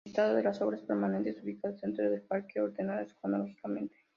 Listado de las obras permanentes ubicadas dentro del parque ordenadas cronológicamente.